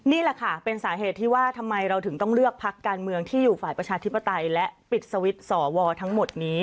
นี่แหละค่ะเป็นสาเหตุที่ว่าทำไมเราถึงต้องเลือกพักการเมืองที่อยู่ฝ่ายประชาธิปไตยและปิดสวิตช์สวทั้งหมดนี้